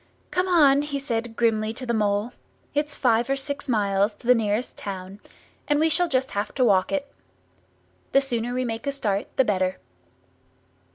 "Come on!" he said grimly to the Mole. "It's five or six miles to the nearest town, and we shall just have to walk it. The sooner we make a start the better."